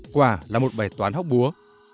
quả là một bài toán hóc búa